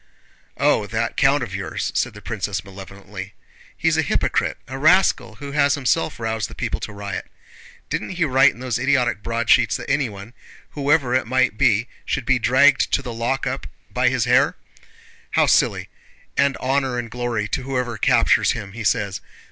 "Oh, that count of yours!" said the princess malevolently. "He is a hypocrite, a rascal who has himself roused the people to riot. Didn't he write in those idiotic broadsheets that anyone, 'whoever it might be, should be dragged to the lockup by his hair'? (How silly!) 'And honor and glory to whoever captures him,' he says.